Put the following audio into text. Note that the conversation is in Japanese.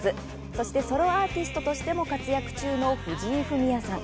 そして、ソロアーティストとしても活躍中の藤井フミヤさん。